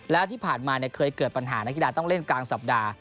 แล้วที่ผ่านมาเคยเกิดปัญหานักกีฬาต้องเล่นกลางสัปดาห์